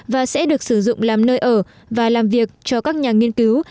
và sẽ được sử dụng làm nơi ở và làm việc cho các nhà nghiên cứu